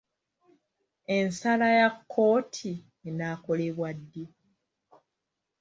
Ensala ya kkooti enaakolebwa ddi?